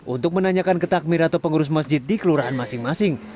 untuk menanyakan ketakmir atau pengurus masjid di kelurahan masing masing